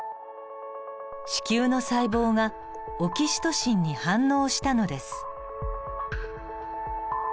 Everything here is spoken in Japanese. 子宮の細胞がオキシトシンに反応したのです。